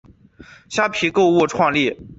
虾皮购物创立。